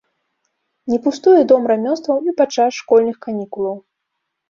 Не пустуе дом рамёстваў і падчас школьных канікулаў.